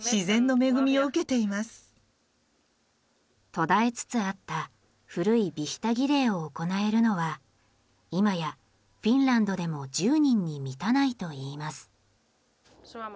途絶えつつあった古いヴィヒタ儀礼を行えるのは今やフィンランドでも１０人に満たないといいます。